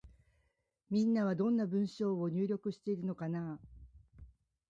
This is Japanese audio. みんなは、どんな文章を入力しているのかなぁ。